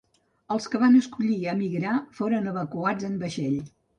Els que van escollir emigrar foren evacuats en vaixell.